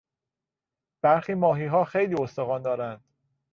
برخی ماهیها خیلی استخوان دارند.